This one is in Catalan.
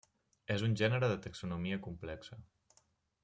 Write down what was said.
És un gènere de taxonomia complexa.